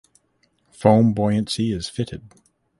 Foam buoyancy is fitted.